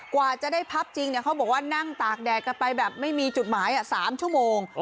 กว่าจะได้พับจริงเขาบอกว่านั่งตากแดดกันไปแบบไม่มีจุดหมาย๓ชั่วโมง